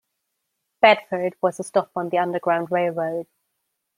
Bedford was a stop on the Underground Railroad.